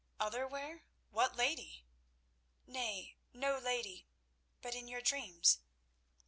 "Other where? What lady—?" "Nay, no lady; but in your dreams."